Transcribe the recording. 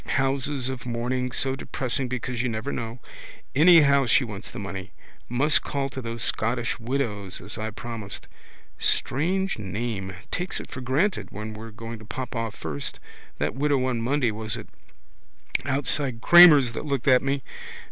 Houses of mourning so depressing because you never know. Anyhow she wants the money. Must call to those Scottish Widows as I promised. Strange name. Takes it for granted we're going to pop off first. That widow on Monday was it outside Cramer's that looked at me.